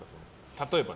例えば。